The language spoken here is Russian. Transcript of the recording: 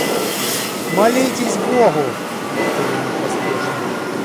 Молитесь Богу, — повторил он поспешно.